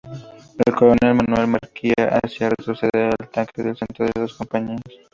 El coronel Manuel Manrique hacia retroceder al ataque en el centro con dos compañías.